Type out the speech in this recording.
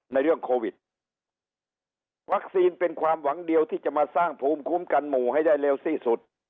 ในเรื่องโควิดวัคซีนเป็นความหวังเดียวที่จะมาสร้างภูมิคุ้มกันหมู่ให้ได้เร็วที่สุด